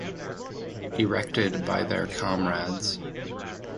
Erected by their Comrades.